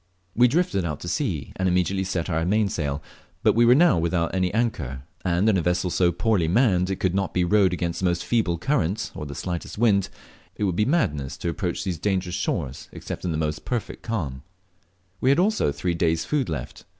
We drifted out to sea, and immediately set our mainsail, but we were now without any anchor, and in a vessel so poorly manned that it could not be rowed against the most feeble current or the slightest wind, it word be madness to approach these dangerous shores except in the most perfect calm. We had also only three days' food left.